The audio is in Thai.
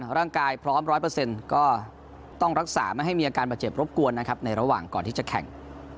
แล้วร่างกายพร้อมร้อยเปอร์เซ็นต์ก็ต้องรักษาไม่ให้มีอาการประเจ็บรบกวนนะครับในระหว่างก่อนที่จะแข่ง